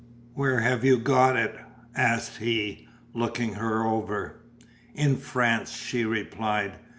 Where have you got it?" asked he, looking her over. "In France," she replied.